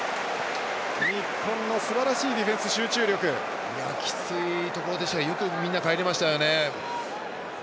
日本のすばらしいディフェンスきついところでしたがよくみんなかえりましたよね。